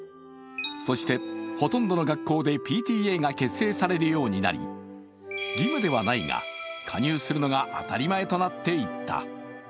そして、ほとんどの学校でＰＴＡが結成されるようになり、義務ではないが加入するのが当たり前となっていった。